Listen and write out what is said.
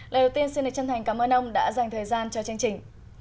lời đầu tiên xin đề chân thành cảm ơn ông đã dành thời gian cho chương trình